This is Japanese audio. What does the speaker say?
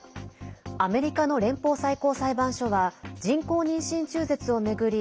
アメリカの連邦最高裁判所は人工妊娠中絶を巡り